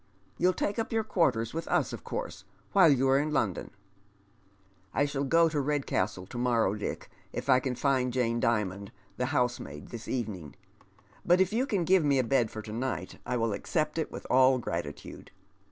You'll take up your quarters with us, of course, while you are in London ?"'* I shall go to Redcastle to moiTOw, Dick, if I can find Jane Dimond, the hougemaid, this evening. But if you can give me n, bed for to night, I will accept it with all gi atitude.